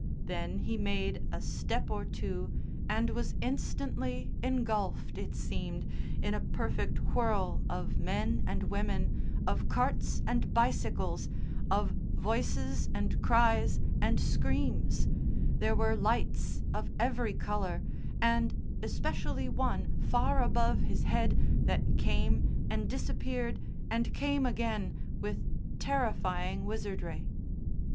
Then he made a step or two and was instantly engulfed, it seemed, in a perfect whirl of men and women, of carts and bicycles, of voices and cries and screams; there were lights of every colour, and especially one far above his head that came and disappeared and came again with terrifying wizardry.